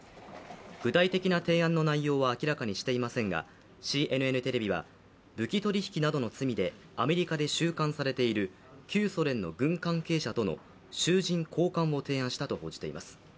具体的な提案の内容は明らかにしていませんがＣＮＮテレビは武器取引などの罪でアメリカで収監されている旧ソ連の軍関係者との囚人交換を提案したと報じています。